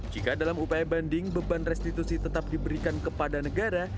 jika dalam upaya banding beban restitusi tetap diberikan kepada negara